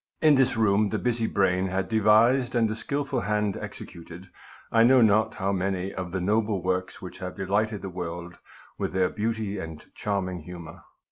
In this room the busy brain had devised, and the skilful hand executed, I know not how many of the noble works which have delighted the world with their beauty and charming humor.